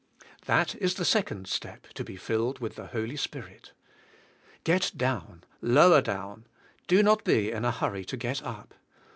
That is the second step to be filled with the Holy Spirit. Get down, lower down! Do not be in a hurry to get up.